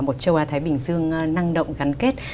một châu á thái bình dương năng động gắn kết